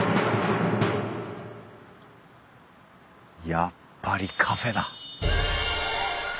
やっぱりカフェだ！